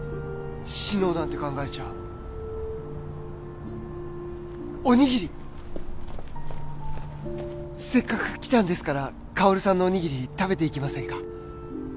死のうなんて考えちゃおにぎりせっかく来たんですから香さんのおにぎり食べていきませんか？